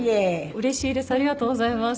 うれしいです。